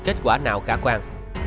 kết quả nào cả quan